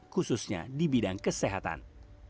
khususnya di bidang kesehatan